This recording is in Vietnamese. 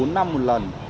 bốn năm một lần